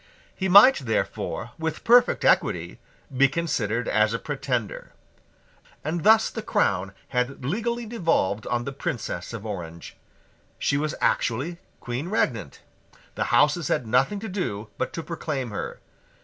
He might therefore, with perfect equity, be considered as a pretender. And thus the crown had legally devolved on the Princess of Orange. She was actually Queen Regnant. The Houses had nothing to do but to proclaim her.